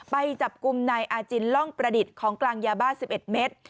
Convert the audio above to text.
ไปจับกลุ่มนายอาจินล่องประดิษฐ์ของกลางยาบ้า๑๑เมตร